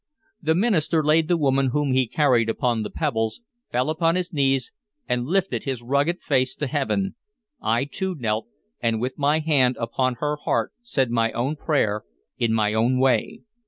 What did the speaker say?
The minister laid the woman whom he carried upon the pebbles, fell upon his knees, and lifted his rugged face to heaven. I too knelt, and with my hand upon her heart said my own prayer in my own way.